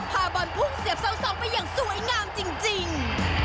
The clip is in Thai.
พาบอลพุ่งเสียบเสาสองไปอย่างสวยงามจริง